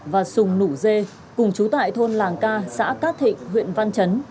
và sùng nủ dê cùng chú tại thôn làng ca xã cát thịnh huyện văn chấn